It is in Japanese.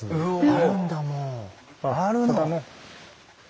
あるんだ。